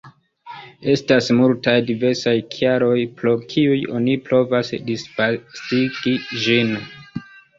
Estas multaj diversaj kialoj, pro kiuj oni provas disvastigi ĝin.